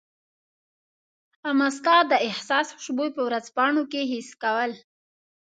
امه ستا د احساس خوشبو په ورځپاڼو کي حس کول